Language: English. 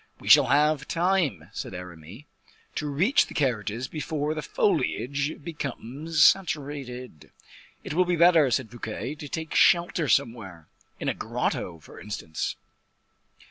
"We shall have time," said Aramis, "to reach the carriages before the foliage becomes saturated." "It will be better," said Fouquet, "to take shelter somewhere in a grotto, for instance."